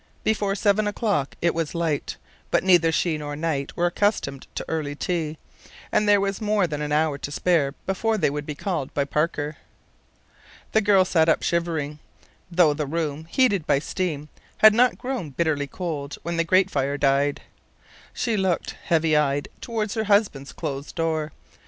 Before seven o'clock it was light, but neither she nor Knight were accustomed to early tea, and there was more than an hour to spare before they would be called by Parker. The girl sat up shivering, though the room, heated by steam, had not grown bitterly cold when the grate fire died. She looked, heavy eyed, toward her husband's closed door.